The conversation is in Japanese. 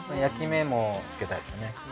焼き目もつけたいですよね。